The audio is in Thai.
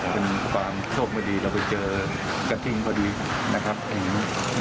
เป็นความโชคไม่ดีแบบเจอกระทิงก็ดีนะครับอย่างงี้